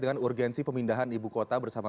dengan urgensi pemindahan ibu kota bersama